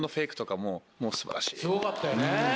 すごかったよねぇ！